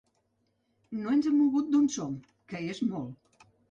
No ens hem mogut d’on som, que és molt.